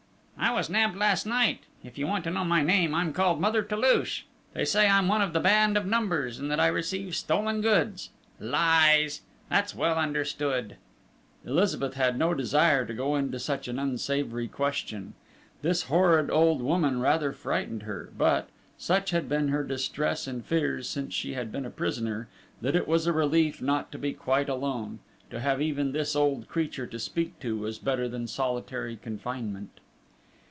"I was nabbed last night. If you want to know my name, I'm called Mother Toulouche. They say I'm one of the band of Numbers, and that I receive stolen goods! Lies! That's well understood!" Elizabeth had no desire to go into such an unsavoury question. This horrid old woman rather frightened her; but, such had been her distress and fears since she had been a prisoner, that it was a relief not to be quite alone; to have even this old creature to speak to was better than solitary confinement.